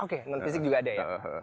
oke non fisik juga ada ya